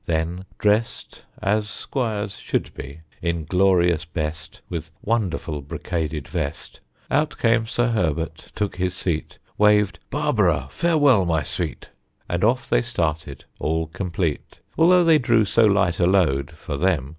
Then dressed, As squires should be, in glorious best, With wonderful brocaded vest, Out came Sir Herbert, took his seat, Waved "Barbara, farewell, my Sweet!" And off they started, all complete. Although they drew so light a load (For them!)